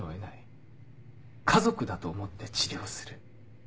「家族だと思って治療する」